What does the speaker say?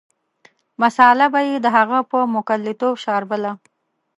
مساله به یې د هغه په موکلتوب شاربله.